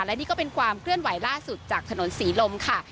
และนี่ก็เป็นความเคลื่อนไหวล่าสุดจากถนนศรีลมค่ะ